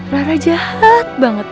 rara jahat banget